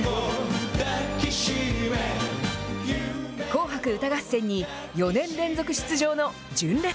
紅白歌合戦に４年連続出場の純烈。